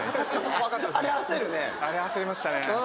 あれ焦りましたね。